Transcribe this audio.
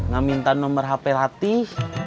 gak minta nomor hp latih